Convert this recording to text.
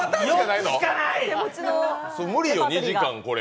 無理よ、２時間これ。